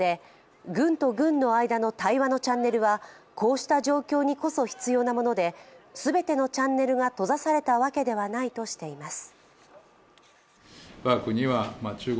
その一方で、軍と軍の間の対話のチャンネルはこうした状況にこそ必要なもので全てのチャンネルが閉ざされたわけではないとしています。